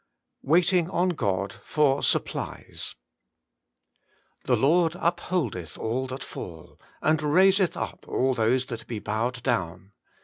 WAITING ON GOD! jpor Supplle0» * The Lord npholdeth all that fall, And raiseth up all those that be bowed down.